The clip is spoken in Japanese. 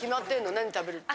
何食べるって。